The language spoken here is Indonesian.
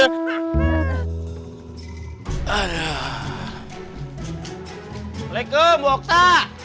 waalaikum bu okta